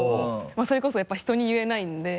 それこそやっぱ人に言えないので。